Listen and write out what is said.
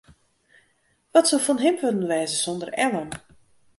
Wat soe fan him wurden wêze sonder Ellen?